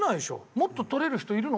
もっと取れる人いるの？